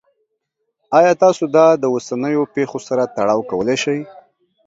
ایا تاسو دا د اوسنیو پیښو سره تړاو کولی شئ؟